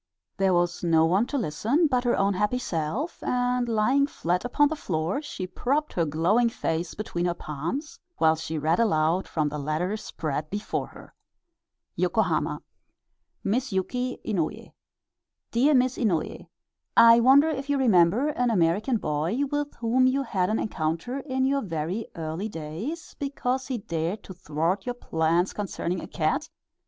There was no one to listen but her own happy self, and lying flat upon the floor she propped her glowing face between her palms, while she read aloud from the letter spread before her: YOKOHAMA. Miss YUKI INOUYE Dear Miss Inouye: I wonder if you remember an American boy with whom you had an encounter in your very early days, because he dared to thwart your plans concerning a cat?